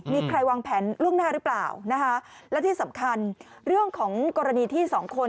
มีใครวางแผนล่วงหน้าหรือเปล่านะคะและที่สำคัญเรื่องของกรณีที่สองคน